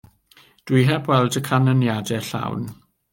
Dw i heb weld y canyniadau llawn.